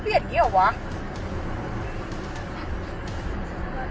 ตอนนี้จะเปลี่ยนอย่างนี้หรอว้าง